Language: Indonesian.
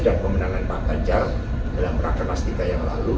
dan pemenangan pak banjar dalam rakyat nas tiga yang lalu